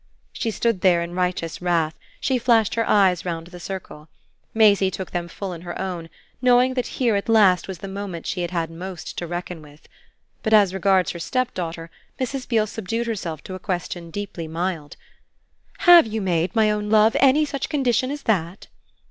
She stood there in righteous wrath; she flashed her eyes round the circle. Maisie took them full in her own, knowing that here at last was the moment she had had most to reckon with. But as regards her stepdaughter Mrs. Beale subdued herself to a question deeply mild. "HAVE you made, my own love, any such condition as that?"